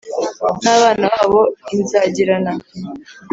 n abana babo i Nzagirana